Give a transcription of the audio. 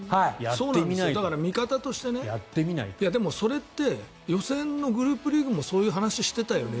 見方としてでもそれって予選のグループリーグもそういう話をしてたよね。